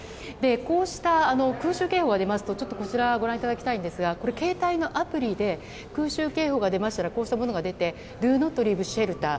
こうした空襲警報が出ますとこちらをご覧いただきたいんですが携帯のアプリで空襲警報が出ましたらこうしたものが出てドゥーノットリーブシェルター。